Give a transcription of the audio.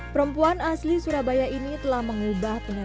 perempuan asli surabaya ini telah mengubah pendidikan